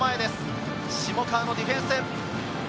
下川のディフェンス。